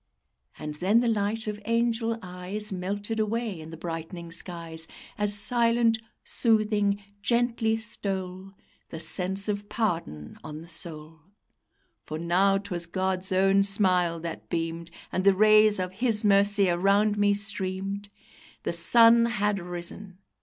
And then the light of angel eyes Melted away in the brightening skies, As silent, soothing, gently stole The sense of pardon on the soul, For now 'twas God's own smile that beamed, And the rays of His mercy around me streamed; The SUN had risen!